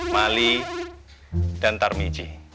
mali dan tarmi ji